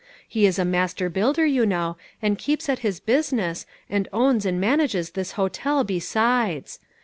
He is a master builder, you know, and keeps at his business, and owns and manages this hotel, besides.